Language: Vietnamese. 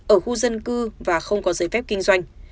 ở khu dân cư và không có giấy phép kinh doanh